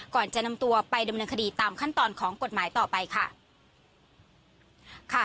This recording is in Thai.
ก่อนจะนำตัวไปดำเนินคดีตามขั้นตอนของกฎหมายต่อไปค่ะ